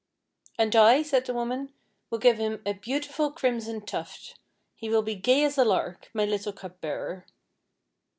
"And I," said the old woman, "will give him a beautiful crimson tuft; he will be gay as a lark, my little cup bearer."